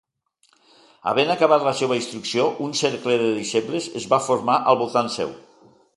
Havent acabat la seva instrucció, un cercle de deixebles es va formar al voltant seu.